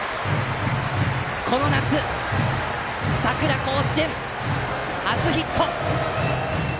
この夏、佐倉甲子園初ヒット！